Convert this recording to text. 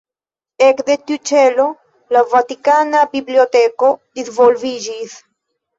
Ekde tiu ĉelo la Vatikana Biblioteko disvolviĝis.